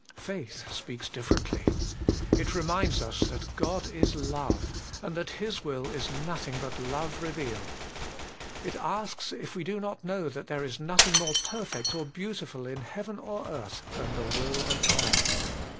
Faith speaks differently. It reminds us that God is Love, and that His will is nothing but Love revealed. It asks if we do not know that there is nothing more perfect or beautiful in heaven or earth than the will of God.